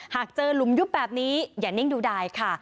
หากเจอหลุมยุบแบบนี้อย่านิ่งดูดายค่ะ